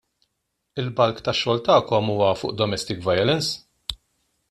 Il-bulk tax-xogħol tagħkom huwa fuq domestic violence?